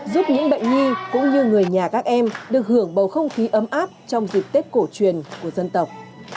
giúp những bệnh nhi có hoàn cảnh đặc biệt khó khăn đang điều trị tại đây